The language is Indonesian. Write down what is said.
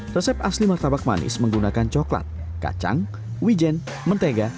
resep asli martabak manis menggunakan coklat kacang wijen mentega